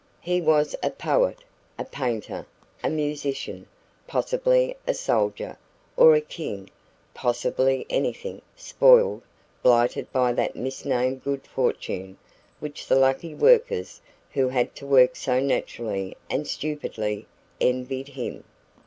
He was a poet, a painter, a musician possibly a soldier, or a king possibly anything spoiled, blighted by that misnamed good fortune which the lucky workers who had to work so naturally and stupidly envied him.